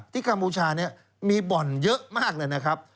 ที่กัมพูชามีบ่อนเยอะมากเลยนะครับ